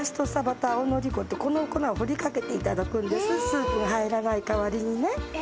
このねスープが入らないかわりにね